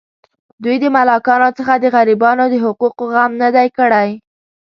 دوی د ملاکانو څخه د غریبانو د حقوقو غم نه دی کړی.